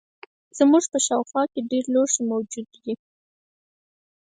زموږ په شاوخوا کې ډیر لوښي موجود دي.